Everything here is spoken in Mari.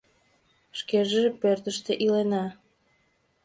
Шкеже пӧртыштӧ илена.